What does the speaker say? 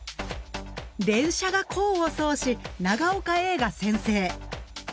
連射が功を奏し長岡Ａが先制。